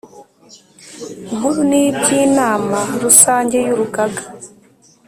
Nkuru n iby Inama Rusange y Urugaga